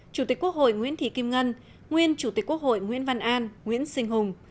chủ tịch quốc hội nguyễn thị kim ngân nguyên chủ tịch quốc hội nguyễn văn an nguyễn sinh hùng